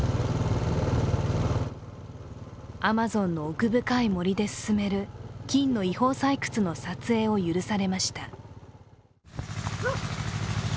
アマゾンの奥深い森で進める金の違法採掘の撮影を許されました。